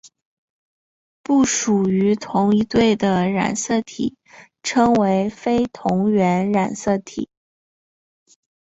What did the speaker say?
不属于同一对的染色体称为非同源染色体。